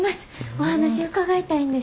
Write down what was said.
お話伺いたいんです。